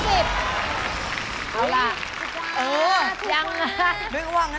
เอาล่ะเออยังนะ